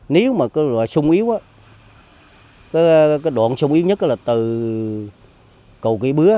nếu mà xung yếu cái đoạn xung yếu nhất là từ cầu cây bứa